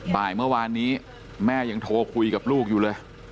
บ่ายเมื่อวานนี้แม่ยังโทรคุยกับลูกอยู่เลย